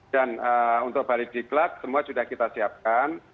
dan untuk balik diklat semua sudah kita siapkan